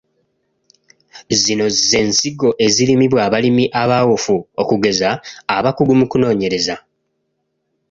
Zino ze nsigo ezirimibwa abalimi abaawufu okugeza abakugu mu kunoonyereza.